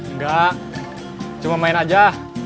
enggak cuma main aja